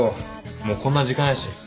もうこんな時間やし。